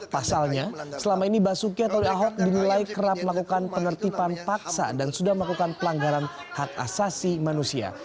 pasalnya selama ini basuki atau ahok dinilai kerap melakukan penertiban paksa dan sudah melakukan pelanggaran hak asasi manusia